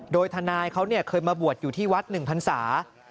โดยทนายเขาเคยมาบวชอยู่ที่วัดหนึ่งธรรษา